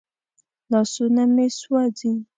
لاسونه مې سوځي.